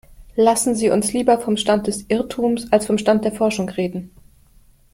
Lassen Sie uns lieber vom Stand des Irrtums als vom Stand der Forschung reden.